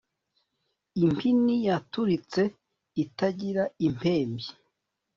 impini yaturitse itagira impembyi